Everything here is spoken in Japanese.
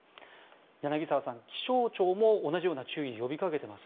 柳澤さん、気象庁も同じような注意を呼び掛けています。